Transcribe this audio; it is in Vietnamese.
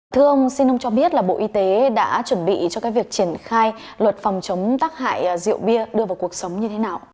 thưa ông xin ông cho biết là bộ y tế đã chuẩn bị cho cái việc triển khai luật phòng chống tác hại rượu bia đưa vào cuộc sống như thế nào